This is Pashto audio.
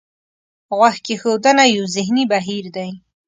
غوږ کېښودنه یو ذهني بهیر دی.